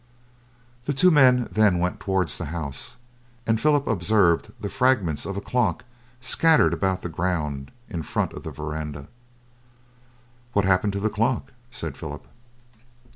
The two men then went towards the house, and Philip observed the fragments of a clock scattered about the ground in front of the verandah. "What happened to the clock?" said Philip.